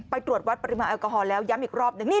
ตรวจวัดปริมาณแอลกอฮอลแล้วย้ำอีกรอบหนึ่ง